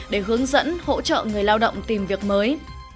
để hướng dẫn hỗ trợ người lao động tìm việc mới